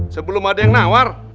sebelum ada yang nawar